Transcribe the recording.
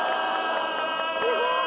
すごい！